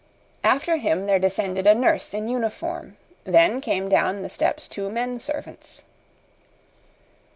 After him there descended a nurse in uniform, then came down the steps two men servants.